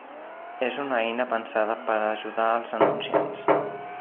És una eina pensada per ajudar els anunciants.